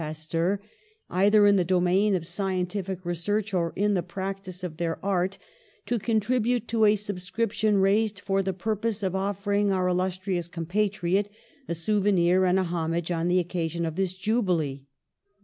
Pasteur, either in the domain of scientific research, or in the practice of their art, to contribute to a subscription raised for the purpose of offering our illustrious compatriot a souvenir and a homage on the occasion of this jubilee.